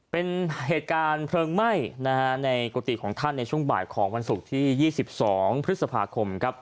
เป็นเหตุการณ์เพลิงไหม้ในกุฏิของท่านในช่วงบ่ายของวันศุกร์ที่๒๒พฤษภาคมครับ